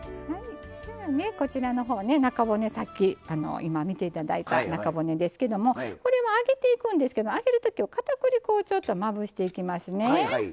今見ていただいた中骨ですけどもこれは揚げていくんですけど揚げるときはかたくり粉をちょっとまぶしていきますね。